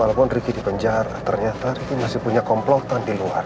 walaupun ricky dipenjar ternyata ricky masih punya komplotan di luar